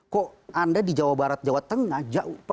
kok anda di jawa barat jawa tengah jauh